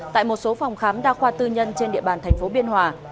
tại một số phòng khám đa khoa tư nhân trên địa bàn tp biên hòa